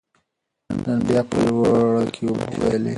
نن بيا په لوړه کې اوبه بهېدلې